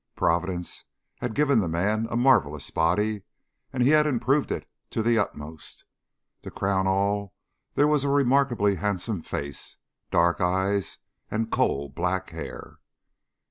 Providence had given the man a marvelous body, and he had improved it to the uttermost. To crown all, there was a remarkably handsome face, dark eyes and coal black hair.